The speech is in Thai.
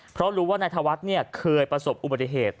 เพราะรู้ว่านายธวัฒน์เคยประสบอุบัติเหตุ